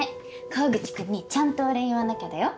河口君にちゃんとお礼言わなきゃだよ。